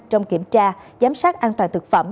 trong kiểm tra giám sát an toàn thực phẩm